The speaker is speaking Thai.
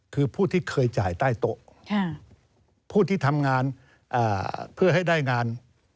คือผู้ที่เคยจ่ายใต้โต๊ะผู้ที่ทำงานเพื่อให้ได้งาน